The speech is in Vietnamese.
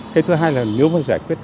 cái thứ hai là nếu mà giải quyết